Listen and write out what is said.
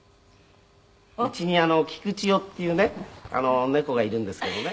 「うちに菊千代っていうね猫がいるんですけどね